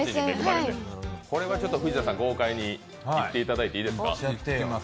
藤田さん、豪快にいっていただいていいですか。